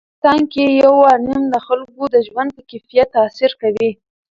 په افغانستان کې یورانیم د خلکو د ژوند په کیفیت تاثیر کوي.